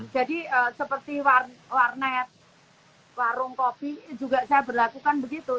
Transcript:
jadi seperti warnet warung kopi juga saya berlakukan begitu